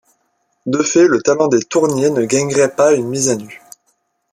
De fait, le talent des Tournié ne gagnerait pas une mise à nu.